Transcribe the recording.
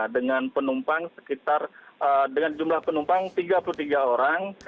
dengan jumlah penumpang tiga puluh tiga orang